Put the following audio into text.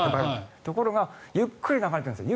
ところがゆっくり流れてるんです。